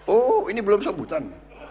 oh ini belum sambutan